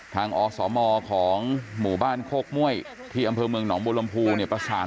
อสมของหมู่บ้านโคกม่วยที่อำเภอเมืองหนองบุรมภูเนี่ยประสาน